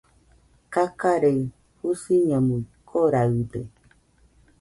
Kakarei, Jusiñamui koraɨde